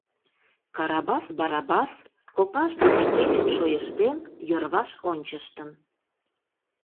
Карабас Барабас копаж дене кечым шойыштен, йырваш ончыштын.